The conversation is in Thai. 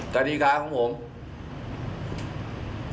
กฎิกาของผม